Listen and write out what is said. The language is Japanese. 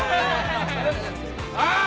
ああ！